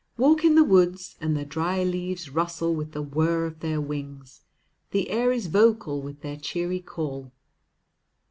Walk in the woods, and the dry leaves rustle with the whir of their wings, the air is vocal with their cheery call.